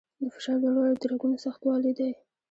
د فشار لوړوالی د رګونو سختوالي دی.